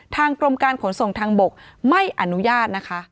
ทางกรมการขนส่งทางบกไม่อนุญาตนะคะ